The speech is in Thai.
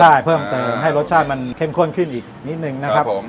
ได้เพิ่มเติมให้รสชาติมันเข้มข้นขึ้นอีกนิดนึงนะครับผม